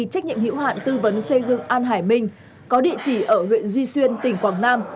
trách nhiệm hữu hạn tư vấn xây dựng an hải minh có địa chỉ ở huyện duy xuyên tỉnh quảng nam